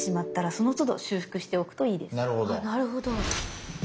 なるほど。